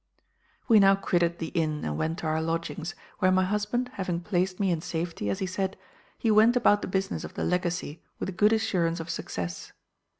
"We now quitted the inn and went to our lodgings, where my husband having placed me in safety, as he said, he went about the business of the legacy with good assurance of success.